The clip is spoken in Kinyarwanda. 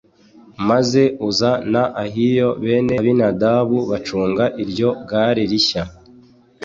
maze Uza na Ahiyo bene Abinadabu bacunga iryo gare rishya.